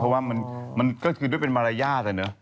เพราะว่ามันก็คือด้วยเป็นมารยาทอะเนอะ